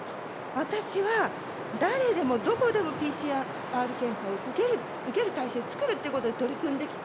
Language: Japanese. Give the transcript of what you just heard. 私は、誰でもどこでもＰＣＲ検査を受ける体制作るってことで取り組んできた